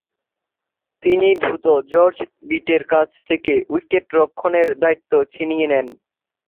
তিনি দ্রুত জর্জ বিটের কাছ থেকে উইকেট-রক্ষণের দায়িত্ব ছিনিয়ে নেন।